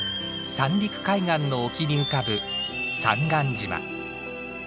三陸海岸の沖に浮かぶ三貫島。